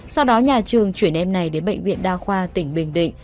sau đó nhà trường chuyển em này đến bệnh viện đa khoa tỉnh bình định